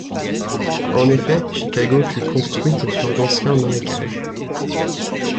En effet, Chicago fut construite sur d'anciens marécages.